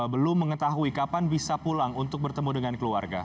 belum mengetahui kapan bisa pulang untuk bertemu dengan keluarga